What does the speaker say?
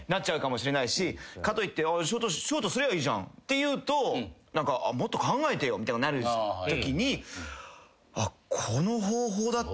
かといって「ショートにすりゃいいじゃん」って言うともっと考えてよみたいになるときに。